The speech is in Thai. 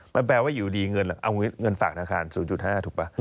มันแปลว่าอยู่ดีเงินเอาเงินฝากธนาคาร๐๕ถูกป่ะ